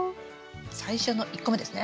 最初の１個目ですね。